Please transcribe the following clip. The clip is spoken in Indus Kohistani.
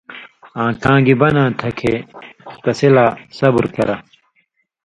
آں کاں گی بناں تھہ کھیں تسی لا صبُر کرہ؛